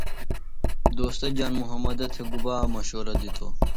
دوستہ جان محمدہ تھےۡ گُبا مشورہ دِتوۡ؟